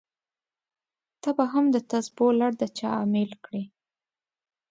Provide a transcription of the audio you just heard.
ته به هم دتسبو لړ د چا امېل کړې!